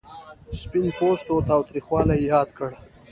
سپین پوستو تاوتریخوالی یاد کړ.